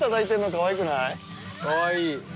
かわいい。